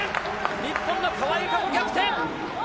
日本の川井友香子、逆転！